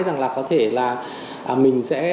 rằng là có thể là mình sẽ